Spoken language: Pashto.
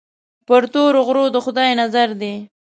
پر تورو غرو د خدای نظر دی.